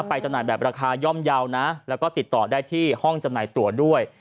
จำหน่ายแบบราคาย่อมเยาว์นะแล้วก็ติดต่อได้ที่ห้องจำหน่ายตัวด้วย